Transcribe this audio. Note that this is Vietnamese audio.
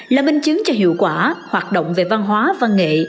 là minh chứng cho hiệu quả hoạt động về văn hóa văn nghệ